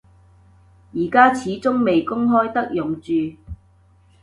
而家始終未公開得用住